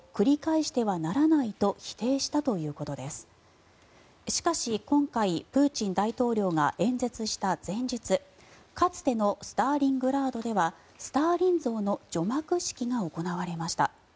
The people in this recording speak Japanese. しかし今回、プーチン大統領が演説した前日かつてのスターリングラードではスターリン像の除幕式が行われました。